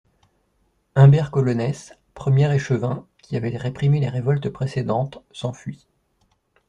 Imbert-Colonès, premier échevin, qui avait réprimé les révoltes précédentes, s'enfuit.